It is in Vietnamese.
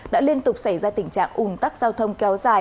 đã liên tục xảy ra tình trạng ủn tắc giao thông kéo dài